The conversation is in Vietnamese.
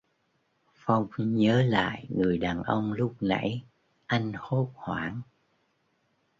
Phong nhớ lại người đàn ông lúc nãy anh hốt hoảng